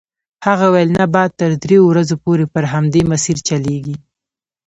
هغه وویل نه باد تر دریو ورځو پورې پر همدې مسیر چلیږي.